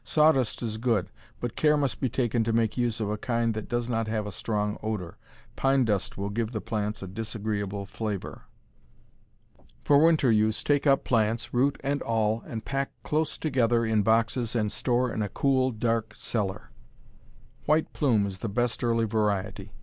Sawdust is good, but care must be taken to make use of a kind that does not have a strong odor. Pine dust will give the plants a disagreeable flavor. For winter use, take up plants, root and all, and pack close together in boxes and store in a cool, dark cellar. White Plume is the best early variety.